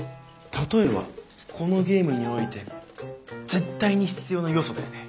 「たとえ」はこのゲームにおいて絶対に必要な要素だよね。